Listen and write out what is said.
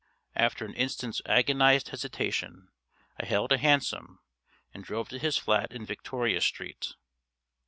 After an instant's agonised hesitation, I hailed a hansom, and drove to his flat in Victoria Street.